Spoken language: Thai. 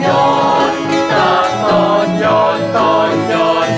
ตากตอนย้อนตอนย้อนตอนย้อน